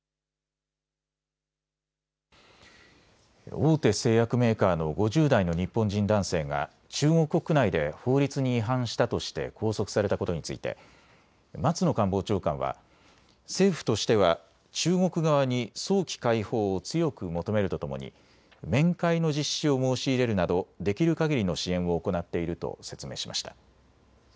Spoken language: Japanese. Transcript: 大手製薬メーカーの５０代の日本人男性が中国国内で法律に違反したとして拘束されたことについて松野官房長官は政府としては中国側に早期解放を強く求めるとともに面会の実施を申し入れるなどできるかぎりの支援を行っていると説明しました。